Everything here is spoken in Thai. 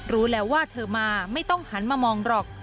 รู้แล้วว่าเธอมาไม่ต้องหันมามองหรอก